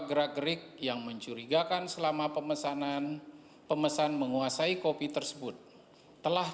gerak gerik yang mencurigakan selama pemesanan pemesan menguasai kopi tersebut telah